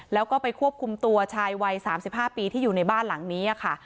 แล้วก็ไปควบคุมตัวชายวัย๓๕ปีที่อยู่ในบ้านหลังนี้ค่ะ